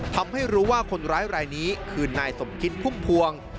ทำให้รู้ว่าคนร้ายรายนี้คือนายสมคิดพุ่มพวง